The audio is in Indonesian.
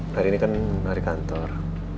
hari ini kan lari kantor